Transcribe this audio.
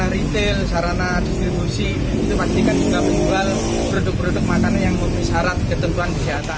yang memiliki syarat ketentuan kesehatan